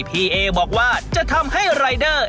พี่เอบอกว่าจะทำให้รายเดอร์